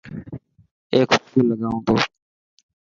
اي خوشبو لگائون تو.